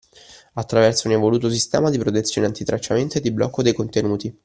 Attraverso un evoluto sistema di protezione antitracciamento e di blocco dei contenuti.